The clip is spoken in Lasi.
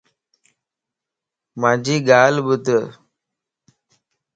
مانجي ڳالھه ٻڌ